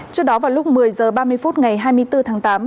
trước đó vào lúc một mươi h ba mươi phút ngày hai mươi bốn tháng tám